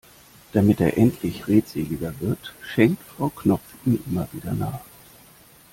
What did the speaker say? Damit er endlich redseliger wird, schenkt Frau Knopf ihm immer wieder nach.